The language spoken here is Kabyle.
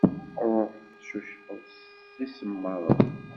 Ṛuḥ tcucfeḍ s isemmaḍen.